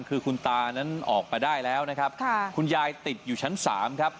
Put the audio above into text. คือคุณตานั้นออกมาได้แล้วนะครับค่ะคุณยายติดอยู่ชั้น๓ครับ